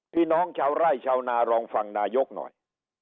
พี่น้องชาวไร่ชาวนาลองฟังนายกหน่อย